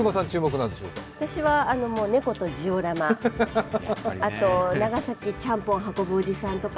私は猫とジオラマ、あと長崎ちゃんぽんを運ぶおじさんとか